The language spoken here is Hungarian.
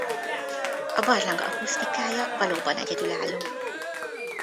A barlang akusztikája valóban egyedülálló.